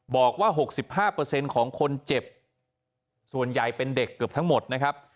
บอกว่า๖๕ของคนเจ็บส่วนใหญ่เป็นเด็กเกือบทั้งหมดนะครับ